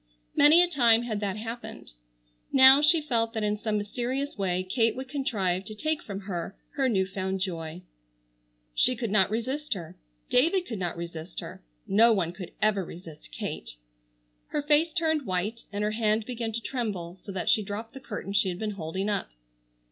Many a time had that happened. Now, she felt that in some mysterious way Kate would contrive to take from her her new found joy. She could not resist her,—David could not resist her,—no one could ever resist Kate. Her face turned white and her hand began to tremble so that she dropped the curtain she had been holding up.